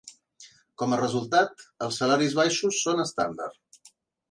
Com a resultat, els salaris baixos són estàndard.